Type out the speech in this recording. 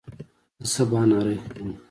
زه سبا نهاری خورم